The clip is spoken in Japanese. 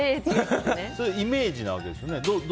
それはイメージなわけですよね。